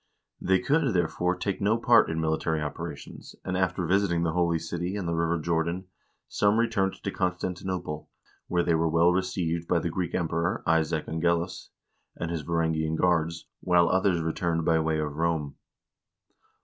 They could, there fore, take no part in military operations, and after visiting the Holy City and the river Jordan, some returned to Constantinople, where they were well received by the Greek Emperor, Isaac Angelus, and his Varangian guards, while others returned by way of Rome.